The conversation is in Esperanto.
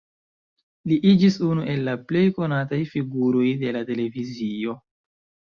Li iĝis unu el la plej konataj figuroj de la televizio.